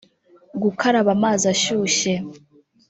gukaraba amazi ashyushye